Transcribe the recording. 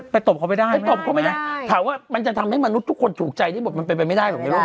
ไปตบเขาไม่ได้ถามว่ามันจะทำให้มนุษย์ทุกคนถูกใจได้หมดมันไปไม่ได้หรอกเนี่ย